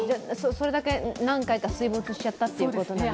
それだけ何回か水没しちゃったということですか。